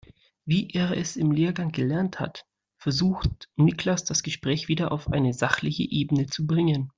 Wie er es im Lehrgang gelernt hat, versucht Niklas das Gespräch wieder auf eine sachliche Ebene zu bringen.